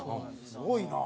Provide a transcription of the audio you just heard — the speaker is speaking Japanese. すごいな。